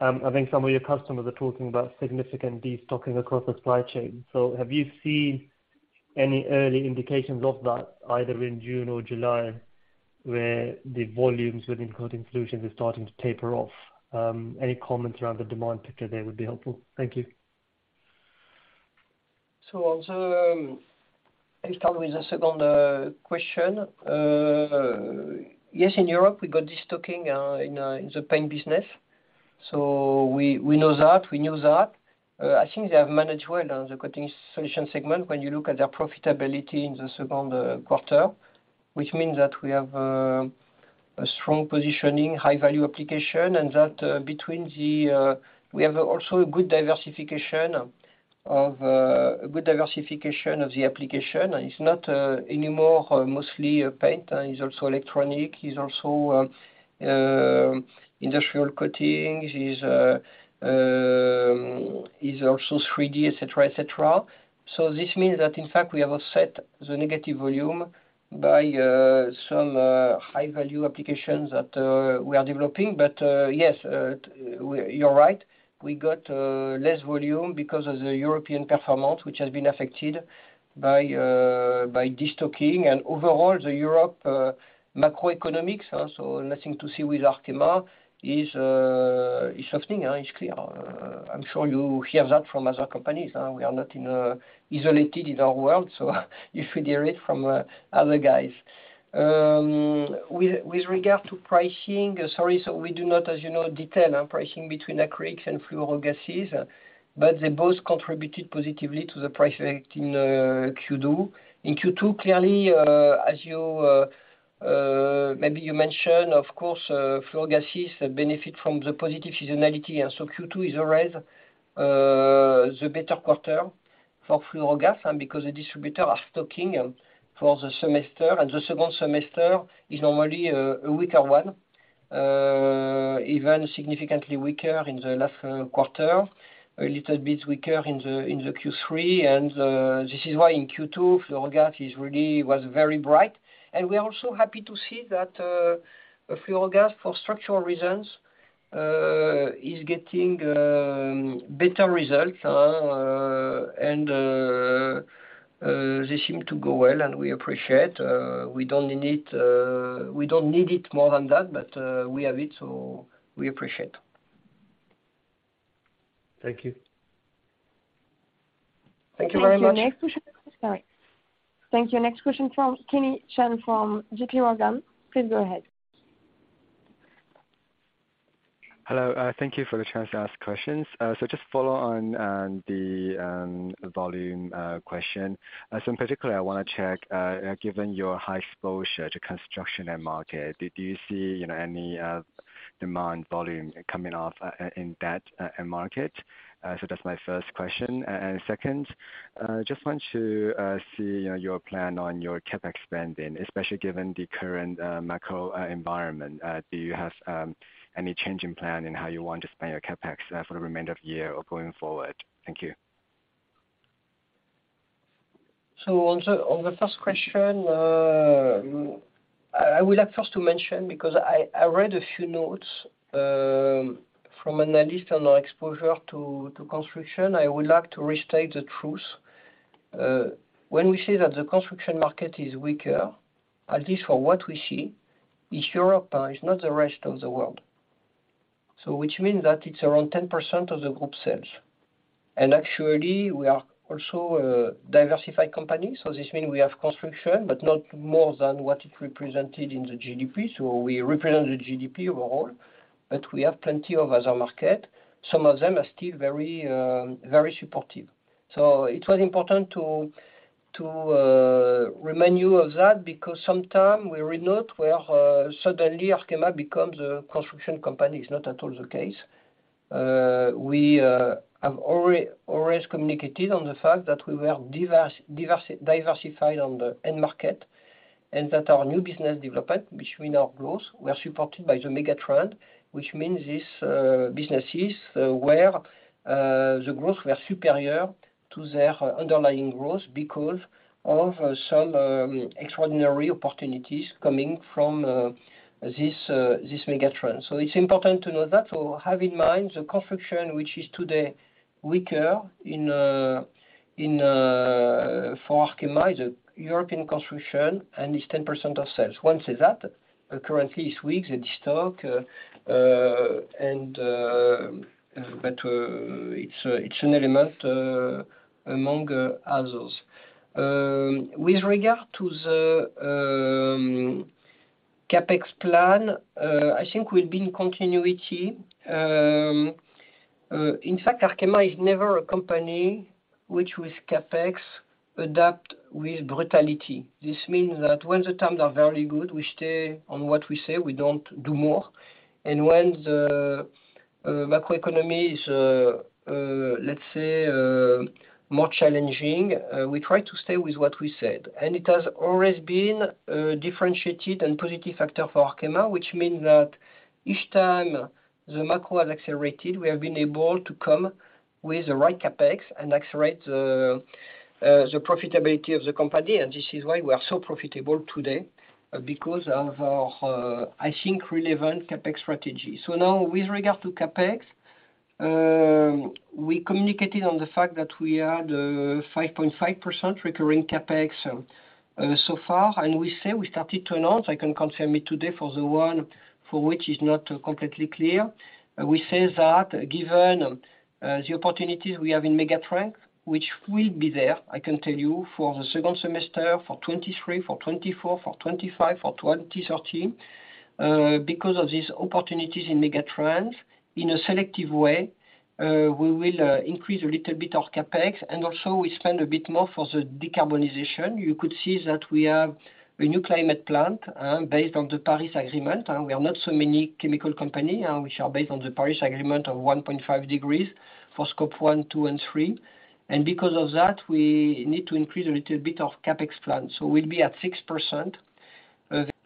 I think some of your customers are talking about significant destocking across the supply chain. Have you seen any early indications of that, either in June or July, where the volumes within Coating Solutions are starting to taper off? Any comments around the demand picture there would be helpful. Thank you. I start with the second question. Yes, in Europe, we got destocking in the paint business. We know that. We knew that. I think they have managed well on the Coating Solutions segment when you look at their profitability in the second quarter, which means that we have a strong positioning, high value application, and that we have also a good diversification of the application. It's not anymore mostly paint. It's also electrolyte, it's also industrial coatings, it's also 3D, et cetera, et cetera. This means that in fact we have offset the negative volume by some high-value applications that we are developing. Yes, you're right. We got less volume because of the European performance, which has been affected by destocking and overall European macroeconomics, so nothing to do with Arkema is softening, it's clear. I'm sure you hear that from other companies, we are not isolated in our world, so you should hear it from other guys. With regard to pricing, sorry, we do not, as you know, detail pricing between acrylics and fluorogases, but they both contributed positively to the price effect in Q2. In Q2, clearly, as you maybe mentioned, of course, fluorogases benefit from the positive seasonality. Q2 is always the better quarter for fluorogases, and because the distributors are stocking for the semester and the second semester is normally a weaker one, even significantly weaker in the last quarter, a little bit weaker in the Q3. This is why in Q2, fluorogases was very bright. We are also happy to see that fluorogases, for structural reasons, is getting better results. They seem to go well, and we appreciate. We don't need it more than that, but we have it, so we appreciate. Thank you. Thank you very much. Thank you. Next question from Kenny Chan from JPMorgan. Please go ahead. Hello. Thank you for the chance to ask questions. Just follow on the volume question. In particular, I wanna check, given your high exposure to construction end market, did you see, you know, any demand volume coming off in that end market? That's my first question. Second, just want to see, you know, your plan on your CapEx spending, especially given the current macro environment. Do you have any change in plan in how you want to spend your CapEx for the remainder of the year or going forward? Thank you. On the first question, I would like first to mention because I read a few notes from an analyst on our exposure to construction. I would like to restate the truth. When we say that the construction market is weaker, at least for what we see, is Europe, is not the rest of the world. Which means that it's around 10% of the group sales. Actually we are also a diversified company, so this mean we have construction, but not more than what it represented in the GDP. We represent the GDP overall, but we have plenty of other market. Some of them are still very supportive. It was important to remind you of that because sometimes we read note where suddenly Arkema becomes a construction company. It's not at all the case. We have always communicated on the fact that we were diversified on the end market and that our new business development and our growth were supported by the megatrend, which means these businesses where the growth were superior to their underlying growth because of some extraordinary opportunities coming from this megatrend. It's important to know that. Have in mind the construction which is today weaker in Europe for Arkema. It's a European construction, and it's 10% of sales. One is that, currently it's weak, it's soft, and it's an element among others. With regard to the CapEx plan, I think there has been continuity. In fact, Arkema is never a company which, with CapEx, adapts with brutality. This means that when the times are very good, we stay on what we say, we don't do more. When the macroeconomy is, let's say, more challenging, we try to stay with what we said. It has always been a differentiated and positive factor for Arkema, which mean that each time the macro has accelerated, we have been able to come with the right CapEx and accelerate the profitability of the company. This is why we are so profitable today, because of our, I think relevant CapEx strategy. Now with regard to CapEx, we communicated on the fact that we had a 5.5% recurring CapEx, so far, and we say we started to announce, I can confirm it today for the one for which is not completely clear. We say that given the opportunities we have in megatrends, which will be there, I can tell you, for the second semester, for 2023, for 2024, for 2025, for 2030. Because of these opportunities in megatrends, in a selective way, we will increase a little bit of CapEx, and also we spend a bit more for the decarbonization. You could see that we have a new climate plan based on the Paris Agreement. We are not so many chemical company which are based on the Paris Agreement of 1.5 degrees for Scope 1, 2 and 3. Because of that, we need to increase a little bit of CapEx plan. We'll be at 6%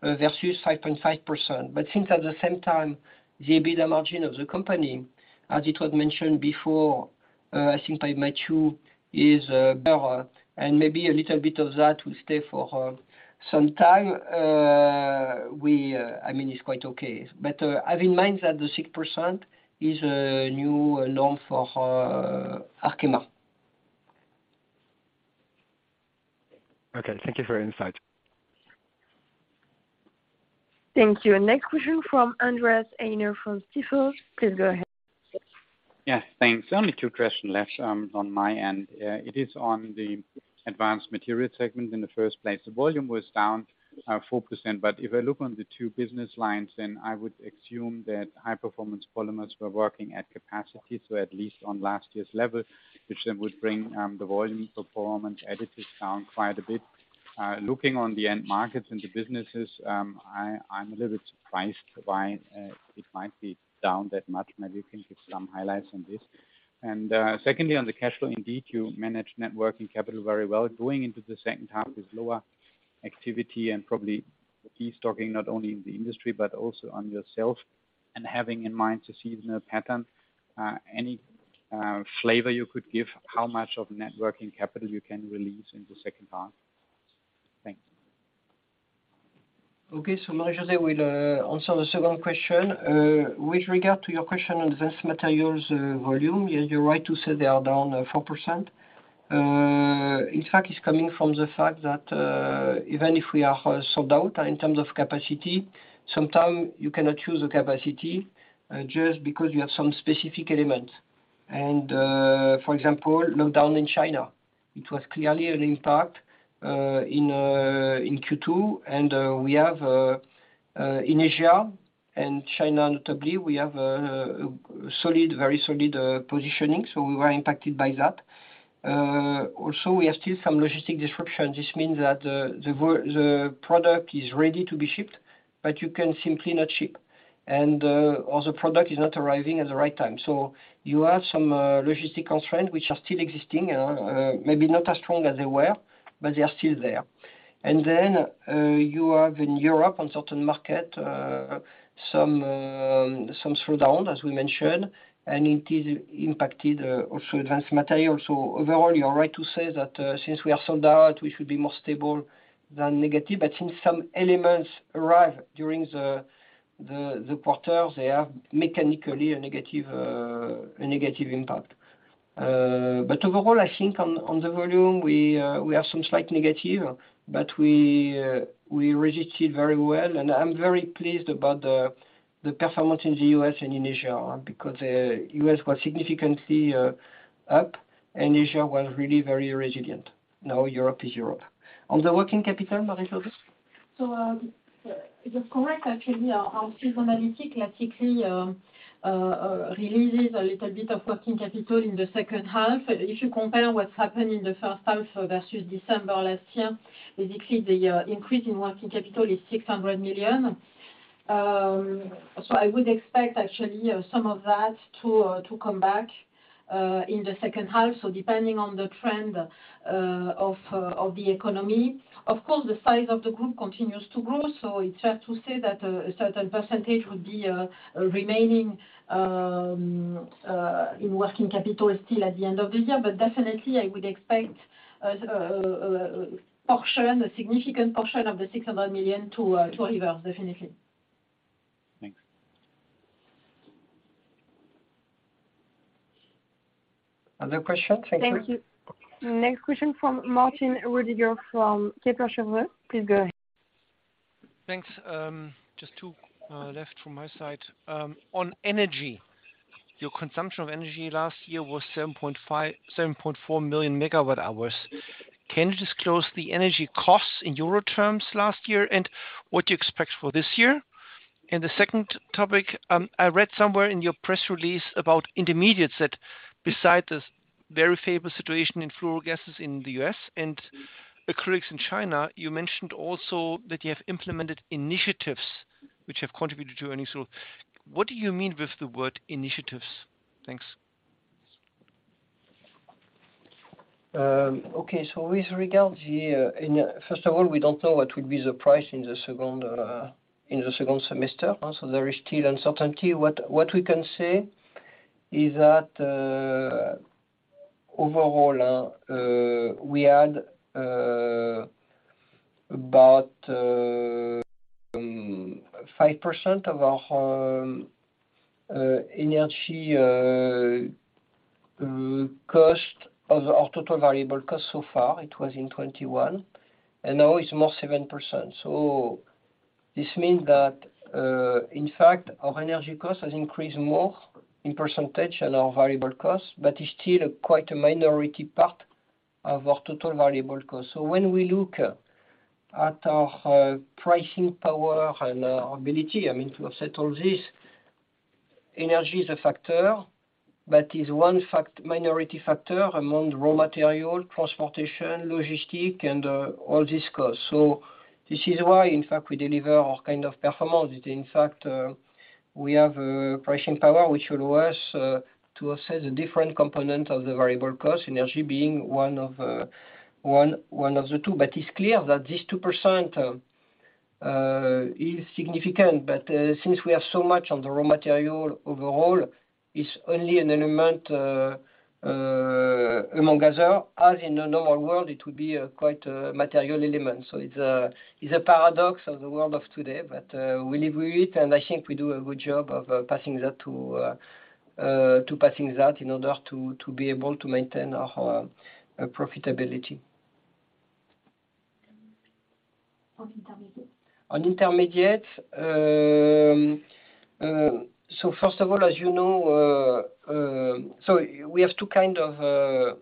versus 5.5%. Since at the same time, the EBITDA margin of the company, as it was mentioned before, I think by Matthew, is better and maybe a little bit of that will stay for some time. Well, I mean it's quite okay. Have in mind that the 6% is a new norm for Arkema. Okay. Thank you for your insight. Thank you. Next question from Andreas Heine from Stifel. Please go ahead. Yeah. Thanks. Only two questions left on my end. It is on the Advanced Materials segment in the first place. The volume was down 4%. If I look on the two business lines, then I would assume that High Performance Polymers were working at capacity, so at least on last year's level, which then would bring the volume Performance Additives down quite a bit. Looking on the end markets and the businesses, I'm a little bit surprised why it might be down that much. Maybe you can give some highlights on this. Secondly, on the cash flow, indeed, you manage net working capital very well. Going into the second half with lower activity and probably key stocking not only in the industry but also on yourself and having in mind the seasonal pattern, any flavor you could give how much of net working capital you can release in the second half? Thanks. Okay, Marie-José will answer the second question. With regard to your question on Advanced Materials volume, yeah, you're right to say they are down 4%. In fact, it's coming from the fact that even if we are sold out in terms of capacity, sometimes you cannot use the capacity just because you have some specific elements. For example, lockdown in China. It was clearly an impact in Q2, and we have in Asia and China notably, we have a solid, very solid positioning. We were impacted by that. Also we have still some logistic disruptions. This means that the product is ready to be shipped, but you can simply not ship and or the product is not arriving at the right time. You have some logistic constraints which are still existing, maybe not as strong as they were, but they are still there. You have in Europe on certain market some slowdown, as we mentioned, and it is impacted also Advanced Materials. Overall, you are right to say that since we are sold out, we should be more stable than negative. Since some elements arrive during the quarter, they are mechanically a negative impact. Overall, I think on the volume we have some slight negative, but we resisted very well. I'm very pleased about the performance in the U.S. and in Asia, because U.S. was significantly up and Asia was really very resilient. Now Europe is Europe. On the working capital, Marie-José. It is correct actually our seasonality classically releases a little bit of working capital in the second half. If you compare what happened in the first half of 2024 versus December last year, basically the increase in working capital is 600 million. I would expect actually some of that to come back in the second half. Depending on the trend of the economy. Of course, the size of the group continues to grow, so it is fair to say that a certain percentage would be remaining in working capital still at the end of the year. Definitely I would expect a portion, a significant portion of the 600 million to reverse. Definitely. Thanks. Other questions? Thank you. Thank you. Next question from Martin Roediger from Kepler Cheuvreux. Please go ahead. Thanks. Just two left from my side. On energy, your consumption of energy last year was 7.4 million megawatt hours. Can you disclose the energy costs in euro terms last year and what you expect for this year? The second topic, I read somewhere in your press release about Intermediates that besides the very favorable situation in fluorogases in the U.S. and acrylics in China, you mentioned also that you have implemented initiatives which have contributed to earnings growth. What do you mean with the word initiatives? Thanks. Okay. With regard to the first of all, we don't know what will be the price in the second semester. There is still uncertainty. What we can say is that overall, we had about 5% of our energy cost of our total variable cost so far. It was in 2021, and now it's more 7%. This means that in fact, our energy cost has increased more in percentage than our variable cost, but it's still quite a minority part of our total variable cost. When we look at our pricing power and our ability, I mean, to offset all this, energy is a factor, but is one minority factor among raw material, transportation, logistics, and all these costs. This is why in fact we deliver all kind of performance. In fact, we have a pricing power which allows to assess the different components of the variable cost, energy being one of the two. It's clear that this 2% is significant. Since we have so much on the raw material overall, it's only an element among other, as in a normal world, it would be quite a material element. It's a paradox of the world of today. We live with it, and I think we do a good job of passing that in order to be able to maintain our profitability. On Intermediates. On intermediates? First of all, as you know, we have two kind of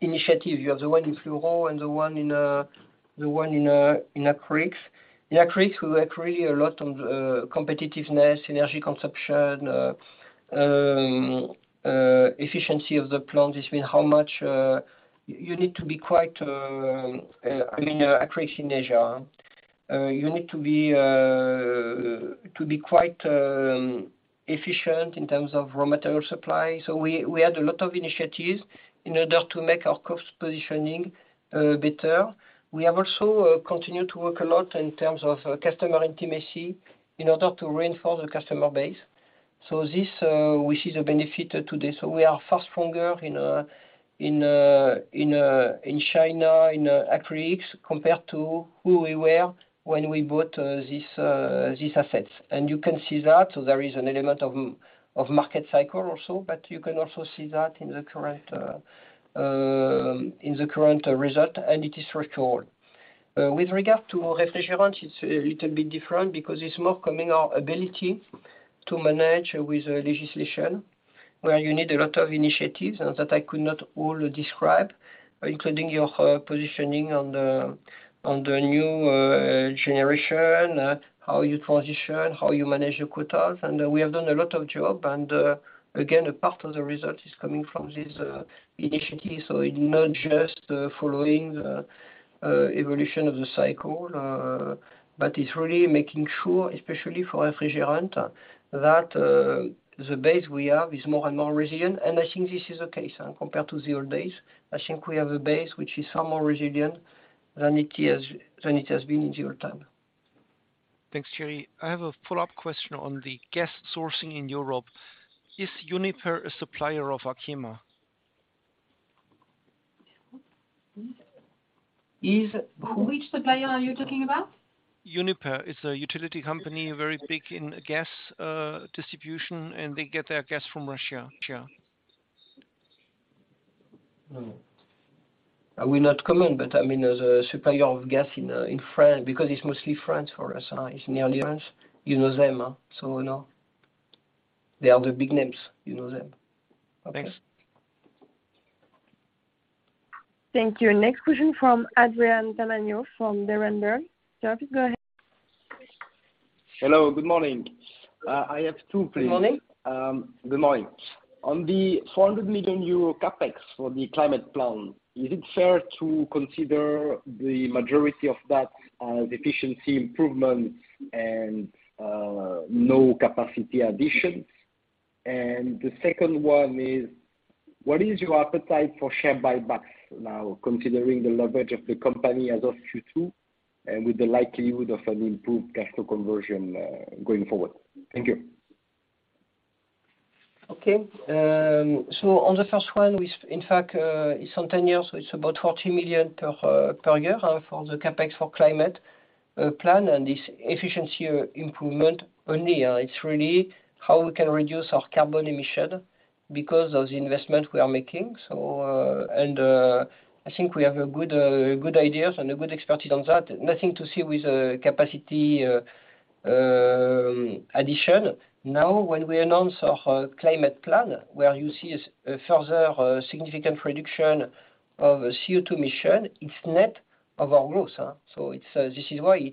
initiative. You have the one in fluoro and the one in acrylics. In acrylics, we work really a lot on the competitiveness, energy consumption, efficiency of the plant. This means how much you need to be quite. I mean, acrylics in Asia. You need to be quite efficient in terms of raw material supply. We had a lot of initiatives in order to make our cost positioning better. We have also continued to work a lot in terms of customer intimacy in order to reinforce the customer base. This, we see the benefit today. We are far stronger in China in acrylics, compared to who we were when we bought these assets. You can see that. There is an element of market cycle also, but you can also see that in the current result, and it is record. With regard to refrigerant, it's a little bit different because it's more coming from our ability to manage with legislation, where you need a lot of initiatives that I could not all describe, including our positioning on the new generation, how you transition, how you manage your quotas. We have done a lot of work and, again, a part of the result is coming from this initiative. It's not just following the evolution of the cycle, but it's really making sure, especially for refrigerant, that the base we have is more and more resilient. I think this is the case compared to the old days. I think we have a base which is far more resilient than it is, than it has been in due time. Thanks, Thierry. I have a follow-up question on the gas sourcing in Europe. Is Uniper a supplier of Arkema? Is who? Which supplier are you talking about? Uniper. It's a utility company, very big in gas, distribution, and they get their gas from Russia. No. I will not comment, but I mean, as a supplier of gas in France, because it's mostly France for us. It's nearly France. You know them, so no. They are the big names. You know them. Okay. Thank you. Next question from Adrien Tamagno from Berenberg. David, go ahead. Hello, good morning. I have two, please. Good morning. Good morning. On the 400 million euro CapEx for the climate plan, is it fair to consider the majority of that as efficiency improvements and no capacity additions? The second one is, what is your appetite for share buybacks now, considering the leverage of the company as of Q2 and with the likelihood of an improved cash flow conversion, going forward? Thank you. Okay, on the first one, in fact, it's on 10 years, so it's about 40 million per year for the CapEx for climate plan and this efficiency improvement only. It's really how we can reduce our carbon emission because of the investment we are making. I think we have good ideas and a good expertise on that. Nothing to see with the capacity addition. Now, when we announce our climate plan, where you see a further significant reduction of CO2 emission, it's net of our growth. It's this is why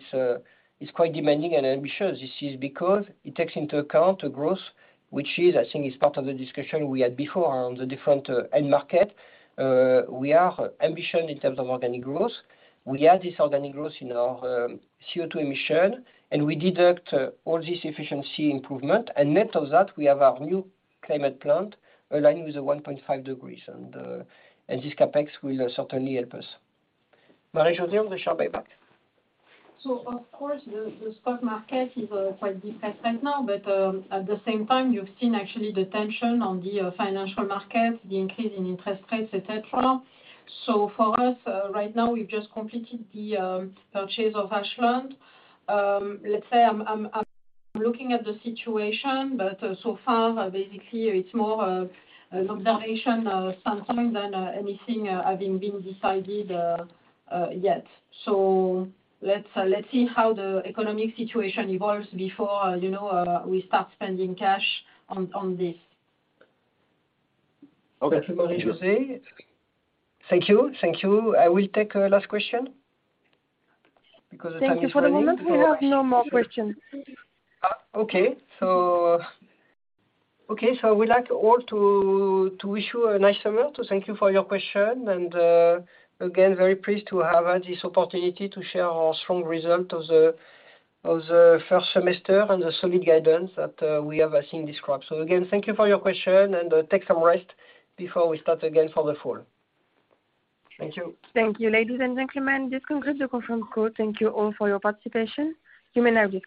it's quite demanding and ambitious. This is because it takes into account the growth, which is, I think, part of the discussion we had before on the different end market. We are ambitious in terms of organic growth. We add this organic growth in our CO2 emission, and we deduct all this efficiency improvement. This CapEx will certainly help us. Marie-José, on the share buyback. Of course, the stock market is quite depressed right now. At the same time, you've seen actually the tension on the financial markets, the increase in interest rates, et cetera. For us, right now, we've just completed the purchase of Ashland. Let's say I'm looking at the situation, but so far, basically, it's more of an observation of something than anything having been decided yet. Let's see how the economic situation evolves before, you know, we start spending cash on this. Okay. Thank you, Marie-José. Thank you. I will take a last question because the time is running. Thank you. For the moment, we have no more questions. We like all to wish you a nice summer, to thank you for your question. Again, very pleased to have had this opportunity to share our strong result of the first semester and the solid guidance that we have, I think, described. Again, thank you for your question, and take some rest before we start again for the fall. Thank you. Thank you, ladies and gentlemen, this concludes the conference call. Thank you all for your participation. You may now disconnect.